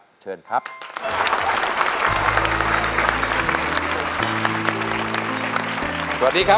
เปลี่ยนเพลงเพลงเก่งของคุณและข้ามผิดได้๑คำ